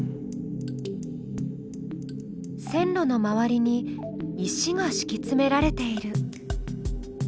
線路の周りに石がしきつめられている。